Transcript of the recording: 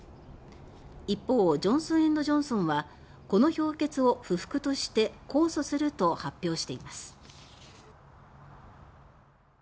一方、ジョンソン・エンド・ジョンソンはこの評決を不服として控訴すると発表しています。